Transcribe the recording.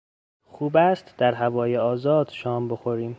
خوب است در هوای آزاد شام بخوریم.